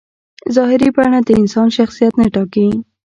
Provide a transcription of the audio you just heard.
ظاهري بڼه د انسان شخصیت نه ټاکي.